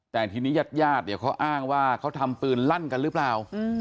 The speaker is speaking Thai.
แต่ทีนี้ญาติญาติเนี่ยเขาอ้างว่าเขาทำปืนลั่นกันหรือเปล่า